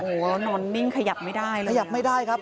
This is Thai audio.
โอ้โหนอนนิ่งขยับไม่ได้เลยขยับไม่ได้ครับ